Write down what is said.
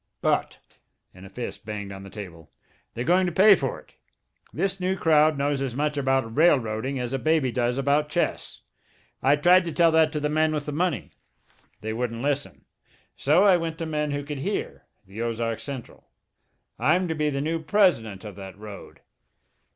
But" and a fist banged on the table "they're going to pay for it! This new crowd knows as much about railroading as a baby does about chess. I tried to tell that to the men with the money. They wouldn't listen. So I went to men who could hear, the Ozark Central. I'm to be the new president of that road."